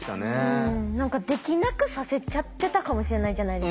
何かできなくさせちゃってたかもしれないじゃないですか。